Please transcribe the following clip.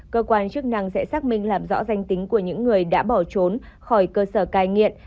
cơ quan chức năng sẽ xác minh làm rõ danh tính của những người đã bỏ trốn khỏi cơ sở cai nghiện